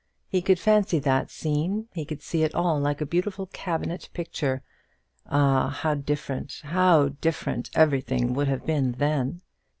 He could fancy that scene, he could see it all, like a beautiful cabinet picture; ah, how different, how different everything would have been then!